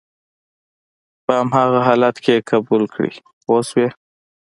په هماغه حالت کې یې قبول کړئ پوه شوې!.